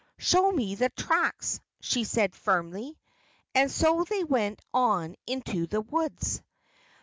"Show me the tracks," she said firmly. And so they went on into the woods.